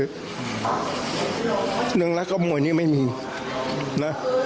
เรื่องรักกับมวยมีไม่มีนะ